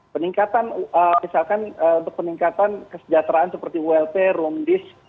peningkatan misalkan peningkatan kesejahteraan seperti wlp room disk